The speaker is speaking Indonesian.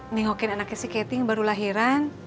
nengokin anaknya si keting baru lahiran